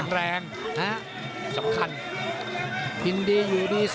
มันโดนแต่มันไม่ยุดนะ